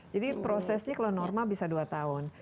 jadi prosesnya kalau normal bisa dua tahun